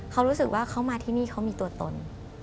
เขารู้สึกว่าเขามาที่นี่เขามีตัวตน